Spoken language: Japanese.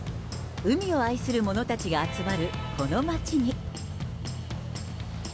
海を愛する者たちが集まるこの街に。